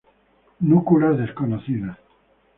Núculas desconocidas.